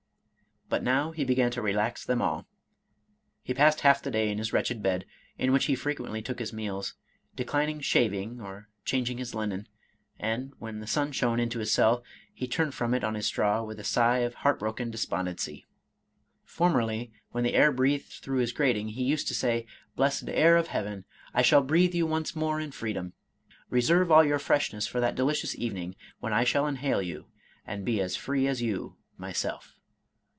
But now he began to relax them all. He passed half the day in his wretched bed, in which he frequently took his meals, declined shaving or changing his linen, and, when the sun shone into his cell, he turned from it on his straw with a 193 Irish Mystery Stories sigh of heartbroken despondency. Formerly, when the air breathed through his grating, he used to say, " Blessed air of heaven, I shall breathe you once more in freedom !— Reserve all your freshness for that delicious evening when I shall inhale you, and be as free as you myself."